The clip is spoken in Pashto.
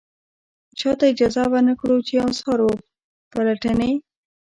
چاته اجازه ور نه کړو چې اثار و پلټنې.